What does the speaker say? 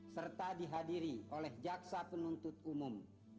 serta dihadiri oleh jaksa penuntut umum